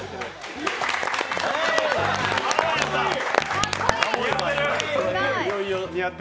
かっこいい。